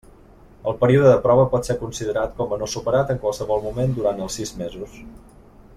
El període de prova pot ser considerat com a no superat en qualsevol moment durant els sis mesos.